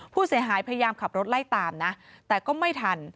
ผู้เสียหายพยายามขับรถไล่ตามนะแต่ก็ไม่ทัน